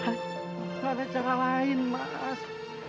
tidak ada cara lain mas